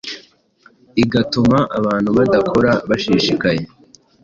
igatuma abantu badakora bashishikaye